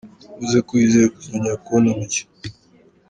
Yavuze ko yizeye kuzongera kubona Mucyo.